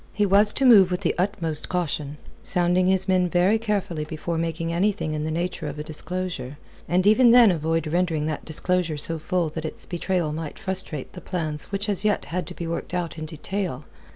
He was to move with the utmost caution, sounding his men very carefully before making anything in the nature of a disclosure, and even then avoid rendering that disclosure so full that its betrayal might frustrate the plans which as yet had to be worked out in detail.